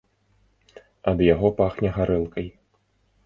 Ад яго пахне гарэлкай.